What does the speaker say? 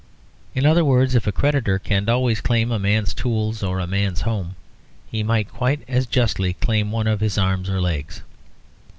In other words, if a creditor can always claim a man's tools or a man's home, he might quite as justly claim one of his arms or legs.